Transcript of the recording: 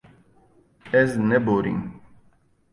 Ez neborîm.